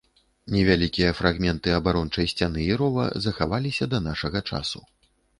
Невялікія фрагменты абарончай сцяны і рова захаваліся да нашага часу.